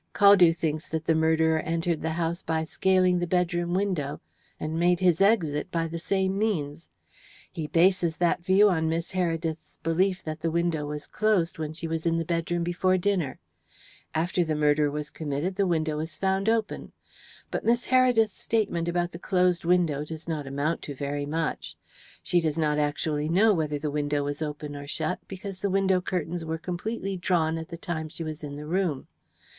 "Caldew thinks that the murderer entered the house by scaling the bedroom window, and made his exit by the same means. He bases that view on Miss Heredith's belief that the window was closed when she was in the bedroom before dinner. After the murder was committed the window was found open. But Miss Heredith's statement about the closed window does not amount to very much. She does not actually know whether the window was open or shut, because the window curtains were completely drawn at the time she was in the room.